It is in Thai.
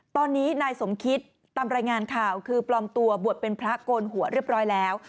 ตอนนี้นายสมคิดตามรายงานข่าวคือปลอมตัวบวชเป็นพระโกนหัวเรียบร้อยแล้ว